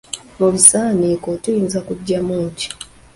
Mu bisaniiko tuyinza kuggyamu ki?